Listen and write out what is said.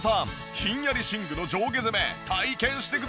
ヒンヤリ寝具の上下攻め体験してください！